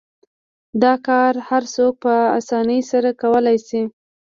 دا کار هر څوک په اسانۍ سره کولای شي.